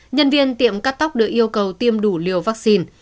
nhân viên tiệm cắt tóc được yêu cầu tiêm đủ liều vaccine